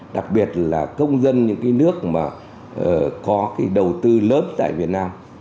đặc biệt là công dân những cái nước mà có cái đầu tư lớn tại việt nam